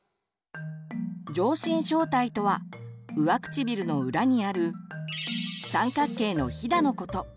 上唇小帯とは上唇の裏にある三角形のひだのこと。